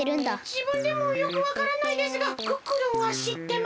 じぶんでもよくわからないですがクックルンはしってます。